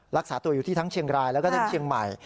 รักษาตัวอยู่ที่ทั้งเชียงรายแล้วก็ทั้งเชียงใหม่